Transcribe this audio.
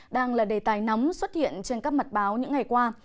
đang là đề tài nóng xuất hiện trên các mặt báo những ngày qua